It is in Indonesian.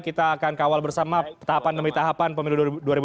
kita akan kawal bersama tahapan demi tahapan pemilu dua ribu dua puluh